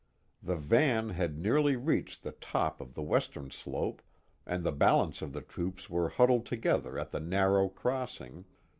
The van had nearly reached the top of the western slope and the balance of the troops were huddled together at the narrow crossing